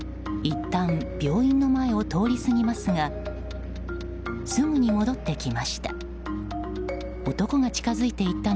いったん病院の前を通り過ぎますがすぐに戻ってきました。